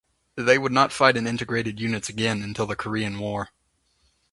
They would not fight in integrated units again until the Korean War.